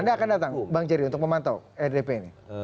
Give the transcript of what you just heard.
anda akan datang bang jerry untuk memantau rdp ini